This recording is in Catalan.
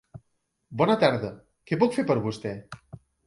Bona tarda, què puc fer per vostè.